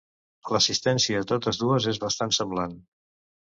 L'assistència a totes dues és bastant semblant.